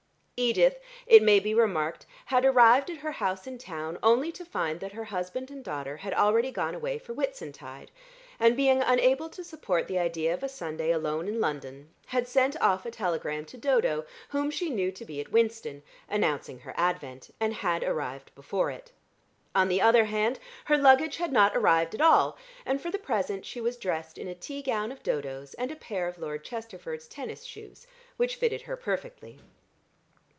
Edith, it may be remarked, had arrived at her house in town only to find that her husband and daughter had already gone away for Whitsuntide, and being unable to support the idea of a Sunday alone in London, had sent off a telegram to Dodo, whom she knew to be at Winston, announcing her advent, and had arrived before it. On the other hand, her luggage had not arrived at all, and for the present she was dressed in a tea gown of Dodo's, and a pair of Lord Chesterford's tennis shoes which fitted her perfectly.